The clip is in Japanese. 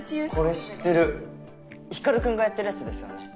これ知ってる光君がやってるやつですよね？